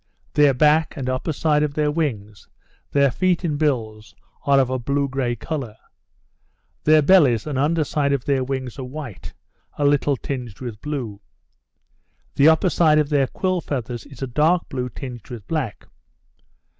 Their back, and upper side of their wings, their feet and bills, are of a blue grey colour. Their bellies, and under side of their wings are white, a little tinged with blue. The upper side of their quill feathers is a dark blue tinged with black.